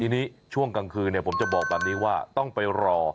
ทีนี้ช่วงกลางคืนผมจะบอกแบบนี้ว่าต้องไปรอ